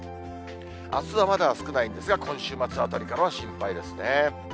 あすはまだ少ないんですが、今週末あたりからは心配ですね。